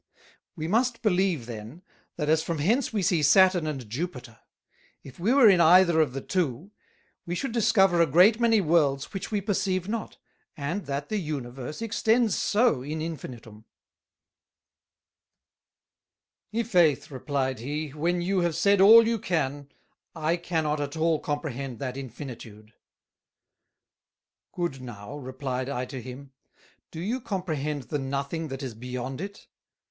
We must believe then, that as from hence we see Saturn and Jupiter; if we were in either of the Two, we should discover a great many Worlds which we perceive not; and that the Universe extends so in infinitum." "I' faith;" replied he, "when you have said all you can, I cannot at all comprehend that Infinitude." "Good now," replied I to him, "do you comprehend the Nothing that is beyond it?